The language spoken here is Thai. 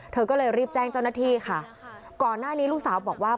เธอก็เลยรีบแจ้งเจ้าหน้าที่ค่ะก่อนหน้านี้ลูกสาวบอกว่า